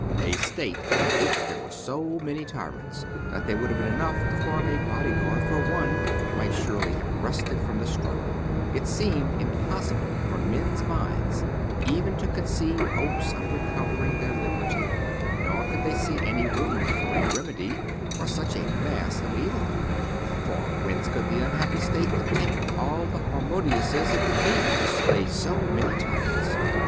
A state, in which there were so many tyrants that they would have been enough to form a bodyguard for one, might surely have rested from the struggle ; it seemed impossible for men's minds even to conceive hopes of recovering their liberty, nor could they see any room for a remedy for such a mass of evil : for whence could the unhappy state obtain all the Har modiuses it would need to slay so many tyrants